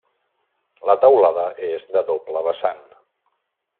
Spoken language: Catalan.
La teulada és de doble vessant.